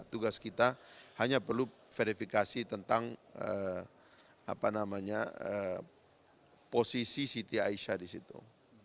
tugas kita hanya perlu verifikasi tentang posisi siti aisyah di situ